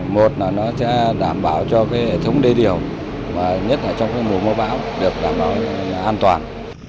một là nó sẽ đảm bảo cho cái hệ thống đê điểu nhất là trong cái mùa mưa bão được đảm bảo an toàn